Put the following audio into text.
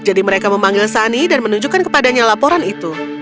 jadi mereka memanggil sunny dan menunjukkan kepadanya laporan itu